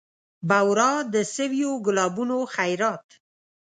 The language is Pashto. بورا د سویو ګلابونو خیرات